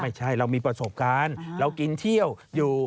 ไม่ใช่เรามีประสบการณ์เรากินเที่ยวอยู่